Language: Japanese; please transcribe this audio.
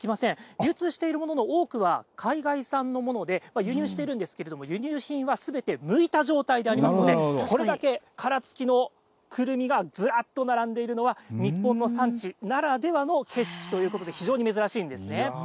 流通しているものの多くは海外産のもので、輸入しているんですけれども、輸入品はすべてむいた状態でありますので、これだけ殻付きのくるみがずらっと並んでいるのは、日本の産地ならではの景色ということで、非常に珍しいんですね。